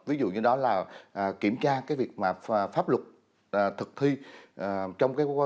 ví dụ như đó là kiểm tra cái việc mà pháp luật được quyền giám sát công an nhân dân